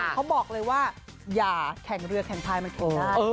เขาบอกเลยว่าอย่าแข่งเรือแข่งพายมันแข่งได้